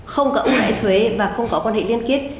không có ủng hộ thuế và không có quan hệ liên kết